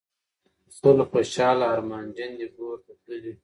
سل خوشحاله ارمانجن دي ګورته تللي